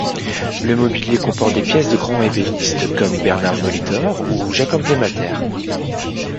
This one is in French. Le mobilier comporte des pièces de grands ébénistes comme Bernard Molitor ou Jacob-Desmalter.